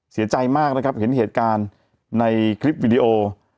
เสียใจมากนะครับเห็นเหตุการณ์ในคลิปวิดีโอ